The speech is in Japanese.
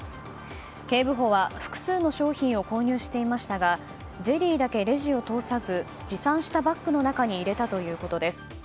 警部補は複数の商品を購入していましたがゼリーだけレジを通さず持参したバッグの中に入れたということです。